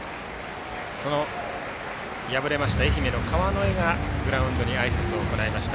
敗れました愛媛の川之江がグラウンドにあいさつをしました。